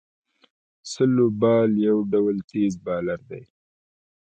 سلو بال یو ډول تېز بالر دئ.